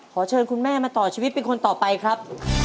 ขอเชิญคุณแม่มาต่อชีวิตเป็นคนต่อไปครับ